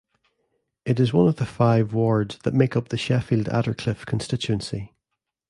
It is one of the five wards that make up the Sheffield Attercliffe constituency.